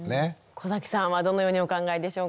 小さんはどのようにお考えでしょうか。